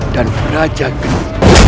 dan belajar geng